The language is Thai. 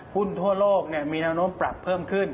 หุ้นทั่วโลกเนี่ยมีน้ำนมปรับเพิ่มขึ้น